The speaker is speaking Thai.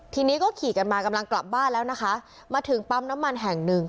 ทีนี้ก็ขี่กันมากำลังกลับบ้านแล้วนะคะมาถึงปั๊มน้ำมันแห่งหนึ่ง